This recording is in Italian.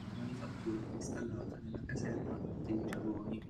La manifattura fu installata nella caserma dei dragoni.